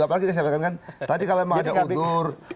apalagi saya bilangkan kan tadi kalau memang ada undur